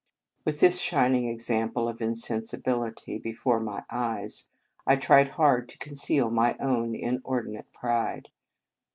With this shining example of in sensibility before my eyes, I tried hard to conceal my own inordinate pride.